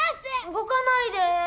動かないで。